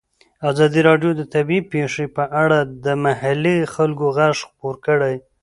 ازادي راډیو د طبیعي پېښې په اړه د محلي خلکو غږ خپور کړی.